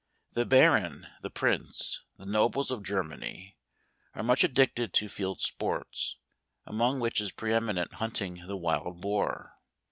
The baron, the prince, the nobles of Germany, are much addicted to field sports; among which is pre eminent hunting the wild Boar.